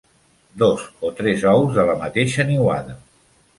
Dos o tres ous de la mateixa niuada.